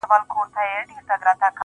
يمه دي غلام سترگي راواړوه.